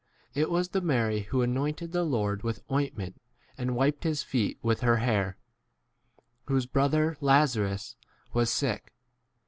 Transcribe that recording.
It was? [the] Mary who anointed the Lord with ointment and wiped his feet with her hair, whose brother Lazarus was sick.